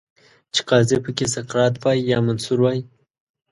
چې قاضي پکې سقراط وای، یا منصور وای